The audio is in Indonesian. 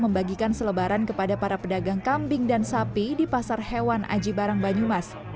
membagikan selebaran kepada para pedagang kambing dan sapi di pasar hewan aji barang banyumas